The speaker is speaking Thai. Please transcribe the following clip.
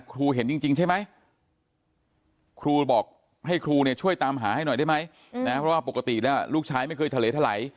ครูเห็นจริงใช่ไหมครูบอกให้ครูช่วยตามหาให้หน่อยได้ไหมปกติลูกชายไม่เคยทะเลทะไหล